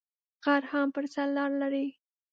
غر هم پر سر لار لری